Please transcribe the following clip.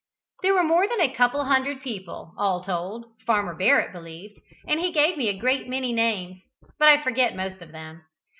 There were more than a couple of hundred people, all told, Farmer Barrett believed, and he gave me a great many names, but I forget most of them.